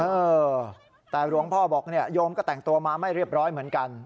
เออแต่หลวงพ่อบอกเนี่ยโยมก็แต่งตัวมาไม่เรียบร้อยเหมือนกัน